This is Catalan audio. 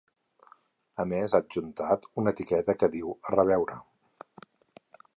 A més ha adjuntat una etiqueta que diu ‘a reveure’.